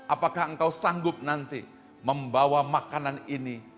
apakah engkau sanggup nanti membawa makanan ini